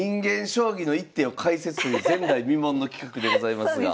将棋の一手を解説という前代未聞の企画でございますが。